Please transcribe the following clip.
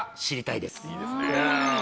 いいですね。